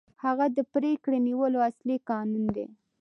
هغه د پرېکړې نیولو اصلي کانون دی.